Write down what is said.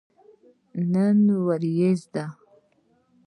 نن وريځ ده